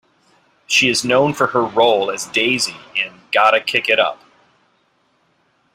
She is known for her role as Daisy in Gotta Kick It Up!